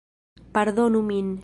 Pardonu min...